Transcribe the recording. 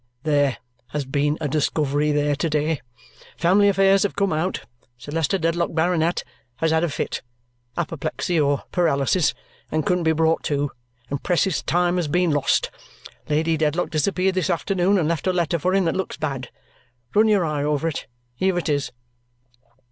"There has been a discovery there to day. Family affairs have come out. Sir Leicester Dedlock, Baronet, has had a fit apoplexy or paralysis and couldn't be brought to, and precious time has been lost. Lady Dedlock disappeared this afternoon and left a letter for him that looks bad. Run your eye over it. Here it is!"